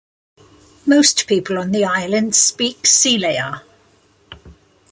Most people on the island speak Selayar.